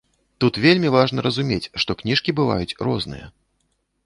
Тут вельмі важна разумець, што кніжкі бываюць розныя.